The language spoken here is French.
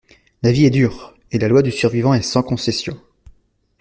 La vie est dure, et la loi du survivant est sans concession.